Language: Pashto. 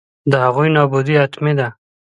د هغوی نابودي حتمي ده.